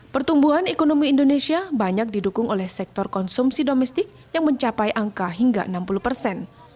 pertumbuhan ekonomi indonesia banyak didukung oleh sektor konsumsi domestik yang mencapai angka hingga enam puluh persen